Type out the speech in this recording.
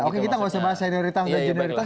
oke kita gak usah bahas senioritas